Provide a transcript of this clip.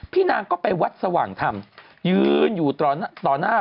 นางก็ไปวัดสว่างธรรมยืนอยู่ต่อหน้า